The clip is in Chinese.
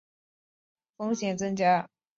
国际疫情快速蔓延带来的输入性风险增加